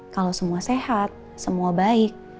kalau semua sehat semua baik